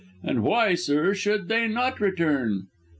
And why, sir, should they not return?"